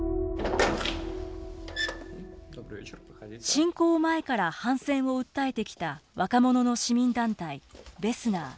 侵攻前から反戦を訴えてきた若者の市民団体ベスナー。